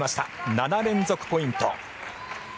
７連続ポイント。